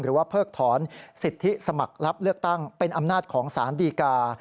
เพิกถอนสิทธิสมัครรับเลือกตั้งเป็นอำนาจของสารดีกา